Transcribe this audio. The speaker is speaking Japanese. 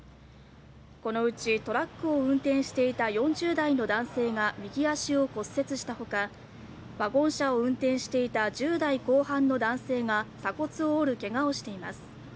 このうちトラックを運転していた４０代の男性が右足を骨折したほか、ワゴン車を運転していた１０代後半の男性が鎖骨を折るけがをしています。